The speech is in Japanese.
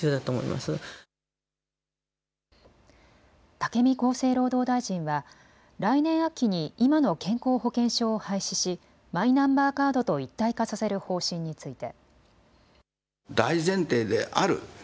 武見厚生労働大臣は来年秋に今の健康保険証を廃止しマイナンバーカードと一体化させる方針について。